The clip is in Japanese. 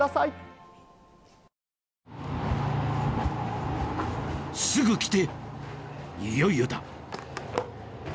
いよいよだ」